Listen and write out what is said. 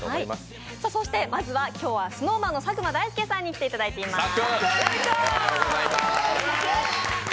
まずは、今日はＳｎｏｗＭａｎの佐久間大介さんに来ていただいております。